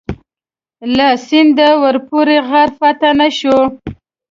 له سینده ورپورې غر فتح نه شو.